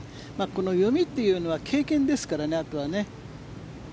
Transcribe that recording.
この読みというのは経験ですからね、あとは。